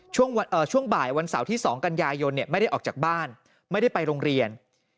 ช่วงบ่ายวันเสาร์ที่๒กันยายนไม่ได้ออกจากบ้านไม่ได้ไปโรงเรียน